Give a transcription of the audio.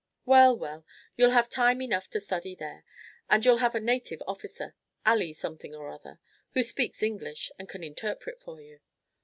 "Well, well, you'll have time enough to study there. And you'll have a native officer, Ali something or other, who speaks English, and can interpret for you.